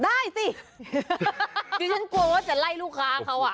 ได้สิดิฉันกลัวว่าจะไล่ลูกค้าเขาอ่ะ